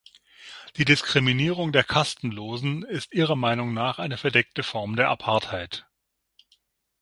Die Diskriminierung der Kastenlosen ist ihrer Meinung nach eine verdeckte Form der Apartheid.